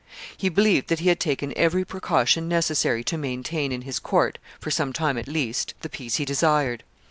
He believed that he had taken every precaution necessary to maintain in his court, for some time at least, the peace he desired.